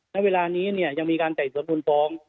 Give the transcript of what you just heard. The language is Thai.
ในเวลานี้เนี่ยยังมีการแต่สดบุญฟอง